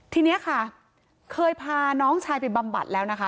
ทีนี้ค่ะเคยพาน้องชายไปบำบัดแล้วนะคะ